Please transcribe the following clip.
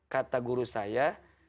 kata guru saya